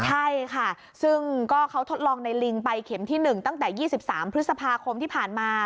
ใช่ค่ะซึ่งก็เขาทดลองในลิงไปเข็มที่๑ตั้งแต่๒๓พฤษภาคมที่ผ่านมา